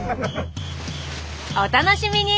お楽しみに。